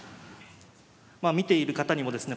まあ見ている方にもですね